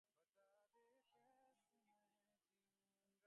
আমরা সারাহ ফিয়ারকে খুঁজে বের করব!